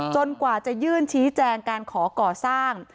กว่าจะยื่นชี้แจงการขอก่อสร้าง